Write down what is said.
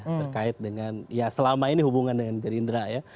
terkait dengan ya selama ini hubungan dengan gerindra ya